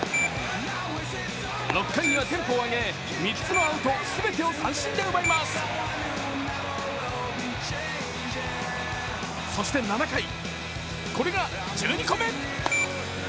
６回にはテンポを上げ、３つのアウト全てを三振で奪いますそして７回、これが１２個目。